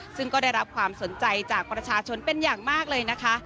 ซึ่งก็ได้รับความสนใจจากประชาชนเป็นอย่างมากเลยนะคะ